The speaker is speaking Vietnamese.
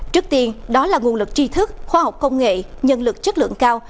trước tiên đó là nguồn lực tri thức khoa học công nghệ nhân lực chất lượng cao